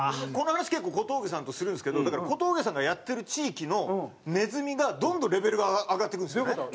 この話結構小峠さんとするんですけどだから小峠さんがやってる地域のネズミがどんどんレベルが上がっていくんですよね。